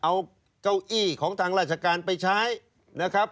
เอาเก้าอี้ของทางราชการไปใช้นะครับ